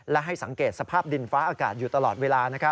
และให้สังเกตสภาพดินฟ้าอากาศอยู่ตลอดเวลา